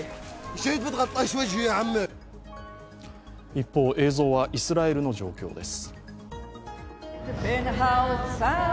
一方、映像はイスラエルの状況です。